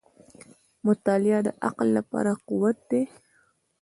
• مطالعه د عقل لپاره قوت دی.